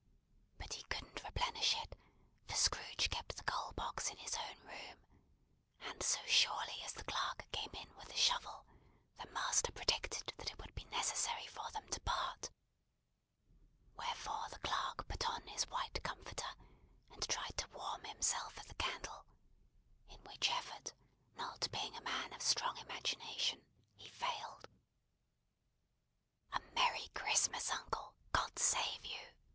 But he couldn't replenish it, for Scrooge kept the coal box in his own room; and so surely as the clerk came in with the shovel, the master predicted that it would be necessary for them to part. Wherefore the clerk put on his white comforter, and tried to warm himself at the candle; in which effort, not being a man of a strong imagination, he failed. "A merry Christmas, uncle! God save you!"